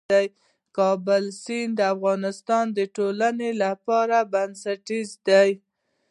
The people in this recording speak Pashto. د کابل سیند د افغانستان د ټولنې لپاره بنسټيز دی.